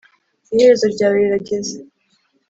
iherezo ryawe rirageze